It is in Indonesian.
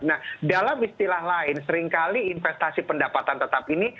nah dalam istilah lain seringkali investasi pendapatan tetap ini